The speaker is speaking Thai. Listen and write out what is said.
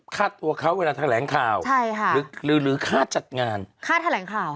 ค่าตัวเขาก็นะแถลงข่าวหรือค่าจัดงานใช่ค่่ะ